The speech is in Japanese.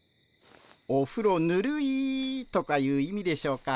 おふろぬるいとかいう意味でしょうか。